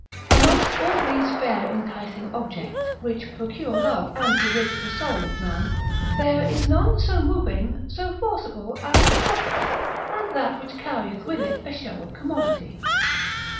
Amongst all these fair enticing objects, which procure love, and bewitch the soul of man, there is none so moving, so forcible as profit; and that which carrieth with it a show of commodity.